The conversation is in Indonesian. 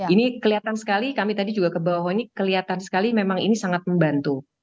ini kelihatan sekali kami tadi juga ke bawah ini kelihatan sekali memang ini sangat membantu